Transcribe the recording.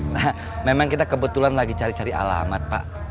nah memang kita kebetulan lagi cari cari alamat pak